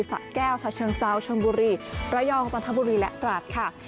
สะแก้วฉะเชิงเซาชนบุรีระยองจันทบุรีและตราดค่ะ